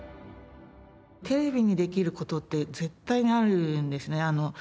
テレビにできる事って絶対にあるんですね。